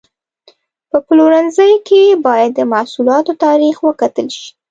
په پلورنځي کې باید د محصولاتو تاریخ وکتل شي.